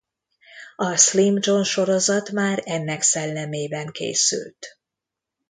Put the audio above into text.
A Slim John sorozat már ennek szellemében készült.